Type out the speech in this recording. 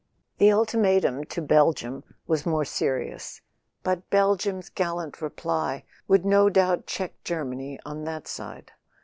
The ultimatum to Belgium was more serious; but Belgium's gallant reply would no doubt check Ger¬ many on that side.